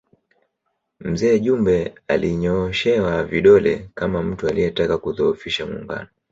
Mzee Jumbe alinyooshewa vidole kama mtu aliyetaka kuudhofisha Muungano